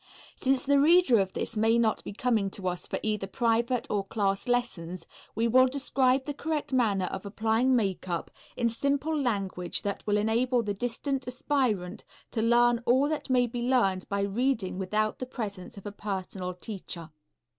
Since the reader of this may not be coming to us for either private or class lessons, we will describe the correct manner of applying makeup in simple language that will enable the distant aspirant to learn all that may be learned by reading without the presence of a personal teacher.